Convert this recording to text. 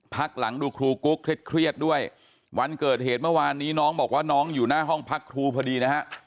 พักหลังดูครูกุ๊กเครียดด้วยวันเกิดเหตุเมื่อวานนี้น้องบอกว่าน้องอยู่หน้าห้องพักครูพอดีนะฮะ